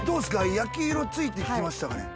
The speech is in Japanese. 焼き色ついて来ましたかね？